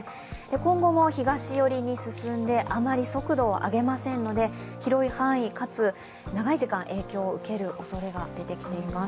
今後も東寄りに進んで、あまり速度を上げませんので広い範囲、かつ長い時間、影響を受けるおそれが出てきています。